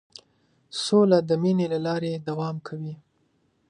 سوله د مینې له لارې دوام کوي.